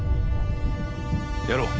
やろう。